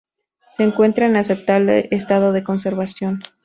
Se encuentra en aceptable estado de conservación.